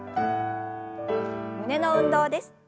胸の運動です。